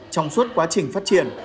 trong suốt quá trình phát triển